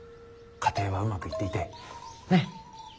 家庭はうまくいっていてね。